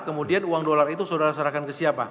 kemudian uang dolar itu saudara serahkan ke siapa